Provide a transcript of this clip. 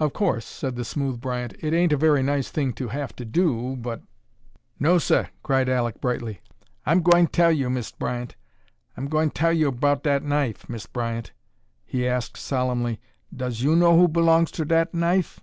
"Of course," said the smooth Bryant, "it ain't a very nice thing to have to do, but " "No, seh," cried Alek, brightly; "I'm gwine tell you, Mist' Bryant. I gwine tell you erbout dat knife. Mist' Bryant," he asked, solemnly, "does you know who b'longs ter dat knife?"